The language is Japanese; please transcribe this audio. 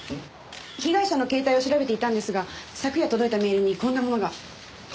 被害者の携帯を調べていたんですが昨夜届いたメールにこんなものが。